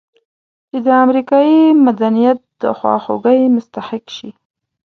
چې د امریکایي مدنیت د خواخوږۍ مستحق شي.